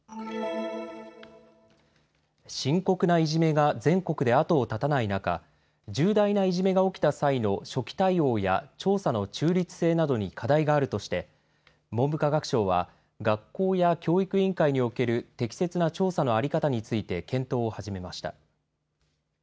深刻ないじめが全国で後を絶たない中、重大ないじめが起きた際の初期対応や調査の中立性などに課題があるとして文部科学省は学校や教育委員会における適切な調査の在り方について検討を始めました。